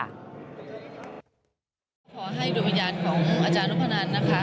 ขอให้รุมญานของอาจารย์ลูกพนันนะคะ